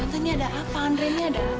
tante ini ada apa andre ini ada